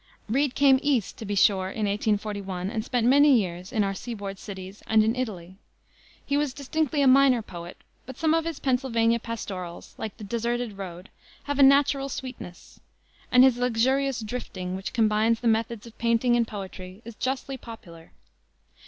Read came East, to be sure, in 1841, and spent many years in our seaboard cities and in Italy. He was distinctly a minor poet, but some of his Pennsylvania pastorals, like the Deserted Road, have a natural sweetness; and his luxurious Drifting, which combines the methods of painting and poetry, is justly popular.